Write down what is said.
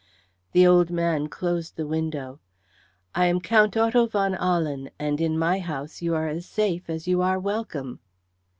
The old man closed the window. "I am Count Otto von Ahlen, and in my house you are safe as you are welcome."